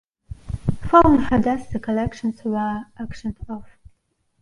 Following her death, the collections were auctioned off.